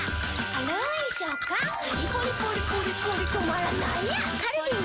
軽ーい食感カリッポリポリポリポリ止まらないやつカルビー！